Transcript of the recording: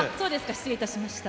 失礼いたしました。